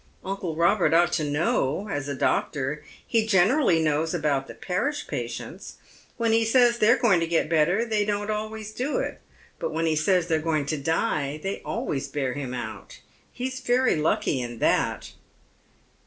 Uncle Robert ought to know, as a doctor. He generally knows about the parish patients. "When he says they're going to get better they don't always do it, but when he says tliey're going to die they always bear him out. He's very lucky in that."